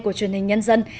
của truyền hình nhân dân